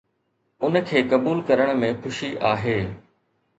ان کي قبول ڪرڻ ۾ خوشي آهي.